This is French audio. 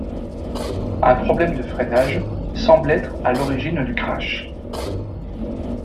Un problème de freinage semble être à l'origine du crash.